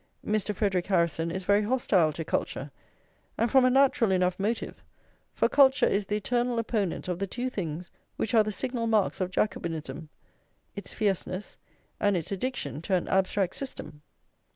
Mr. Frederic Harrison is very hostile to culture, and from a natural enough motive; for culture is the eternal opponent of the two things which are the signal marks of Jacobinism, its fierceness, and its addiction to an abstract system.